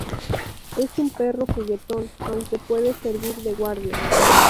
Es un perro juguetón, aunque puede servir de guardia.